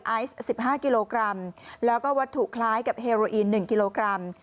ไอซ์๑๕กิโลกรัมแล้วก็วัตถุคล้ายกับเฮโรอีน๑กิโลกรัม